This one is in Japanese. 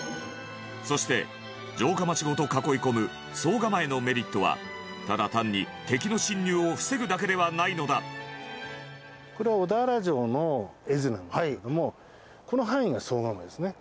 そして、城下町ごと囲い込む総構のメリットはただ単に、敵の侵入を防ぐだけではないのだ諏訪間さん：これは小田原城の絵図なんですけれどもこの範囲が総構ですね。